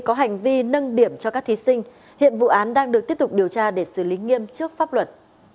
các bị can đang được tiếp tục điều tra để xử lý nghiêm trước pháp luật